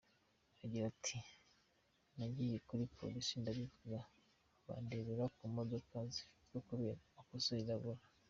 Agira ati “Nagiye kuri Polisi ndabivuga, bandebera mu modoka zifatwa kubera amakosa irabura.